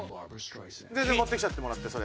全然持ってきちゃってもらってそれ。